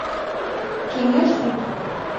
Кеҥеж йӱд.